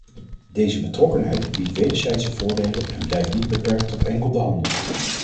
Deze betrokkenheid biedt wederzijdse voordelen en blijft niet beperkt tot enkel de handel.